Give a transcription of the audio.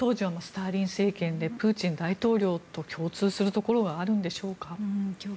当時はスターリン政権でプーチン大統領と共通するところはあるんでしょうか。